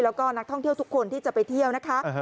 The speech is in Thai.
แล้วก็นักท่องเที่ยวทุกคนที่จะไปเที่ยวนะคะ